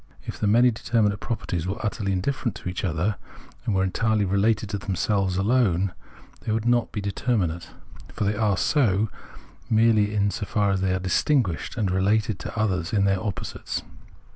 If the many determinate properties were utterly indifferent to each other, and were entirely related to themselves alone, they would not be determinate ; for they are so, merely in so far as they are distinguished and related to others as their opposites.